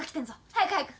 早く早く。